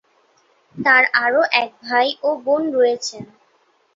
তার আরও এক ভাই ও বোন রয়েছেন।